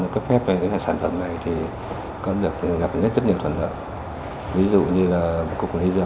cấp phép cho những sản phẩm này thì cũng được gặp rất nhiều thuận lợi ví dụ như là cục quản lý dược